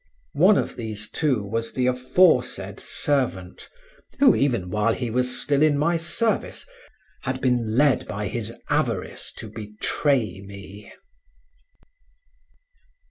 One of these two was the aforesaid servant, who, even while he was still in my service, had been led by his avarice to betray me.